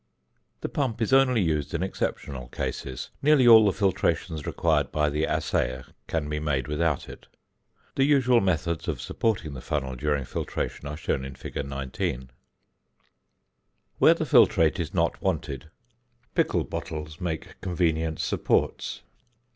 The pump is only used in exceptional cases; nearly all the filtrations required by the assayer can be made without it. The usual methods of supporting the funnel during filtration are shown in fig. 19. Where the filtrate is not wanted, pickle bottles make convenient supports.